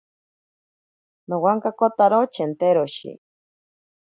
Nowankotaro chenteroshi.